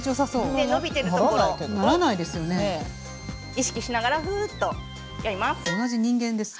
意識しながらフーッとやります。